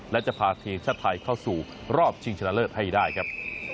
และจะพาทีมชาติไทยเข้าสู่รอบชิงชนะเลิศให้ได้ครับ